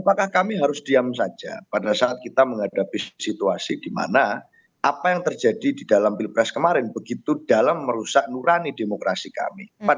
apakah kami harus diam saja pada saat kita menghadapi situasi di mana apa yang terjadi di dalam pilpres kemarin begitu dalam merusak nurani demokrasi kami